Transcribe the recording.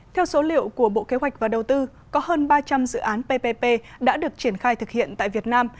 theo số liệu của bộ kế hoạch và đầu tư có hơn ba trăm linh dự án ppp đã được triển khai thực hiện tại việt nam